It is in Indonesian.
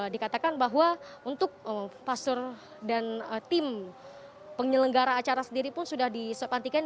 dikatakan bahwa untuk pastor dan tim penyelenggara acara sendiri pun sudah disepantikan